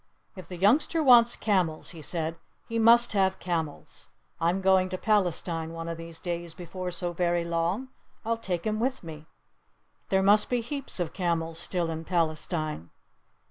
"If the youngster wants camels," he said, "he must have camels! I'm going to Palestine one of these days before so very long. I'll take him with me. There must be heaps of camels still in Palestine."